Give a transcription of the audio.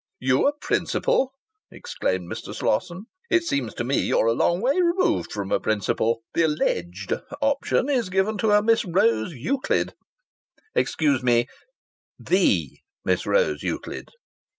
"You a principal!" exclaimed Mr. Slosson. "It seems to me you're a long way removed from a principal. The alleged option is given to a Miss Rose Euclid " "Excuse me the Miss Rose Euclid."